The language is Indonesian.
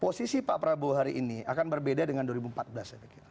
posisi pak prabowo hari ini akan berbeda dengan dua ribu empat belas saya pikir